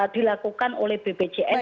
dilakukan oleh bpjs